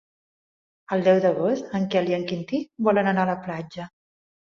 El deu d'agost en Quel i en Quintí volen anar a la platja.